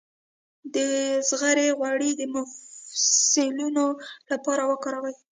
د زغر غوړي د مفصلونو لپاره وکاروئ